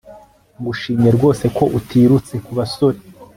ngushimye rwose ko utirutse ku basore